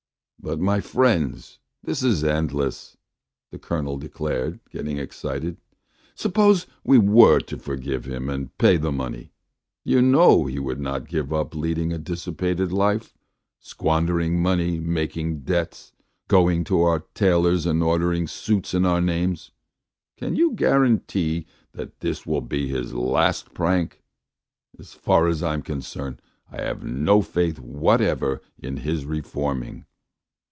"But, my friends, this is endless," the Colonel declared, getting excited. "Suppose we were to forgive him and pay the money. You know he would not give up leading a dissipated life, squandering money, making debts, going to our tailors and ordering suits in our names! Can you guarantee that this will be his last prank? As far as I am concerned, I have no faith whatever in his reforming!"